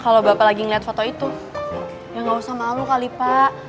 kalau bapak lagi ngeliat foto itu ya gak usah malu kali pak